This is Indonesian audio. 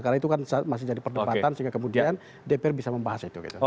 karena itu kan masih jadi perdebatan sehingga kemudian dpr bisa membahas itu